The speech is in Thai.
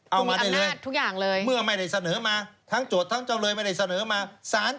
เอามาได้เลยเมื่อไม่ได้เสนอมาทั้งโจทย์ทั้งจำเลยไม่ได้เสนอมามีอันหน้าทุกอย่างเลย